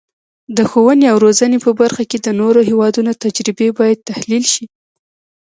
د ښوونې او روزنې په برخه کې د نورو هیوادونو تجربې باید تحلیل شي.